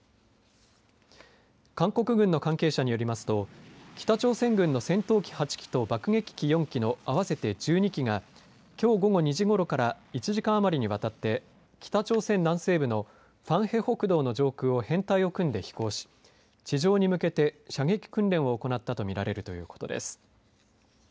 韓国軍の関係者によりますと北朝鮮軍の戦闘機８機と爆撃機４機の合わせて１２機がきょう午後２時ごろから１時間余りにわたって北朝鮮南西部のファンへ北道の上空を編隊を組んで飛行し地上に向けて射撃訓練を行ったと見られるということです。